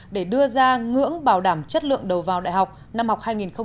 để đưa ra ngưỡng bảo đảm chất lượng đầu vào đại học năm học hai nghìn một mươi bảy hai nghìn một mươi tám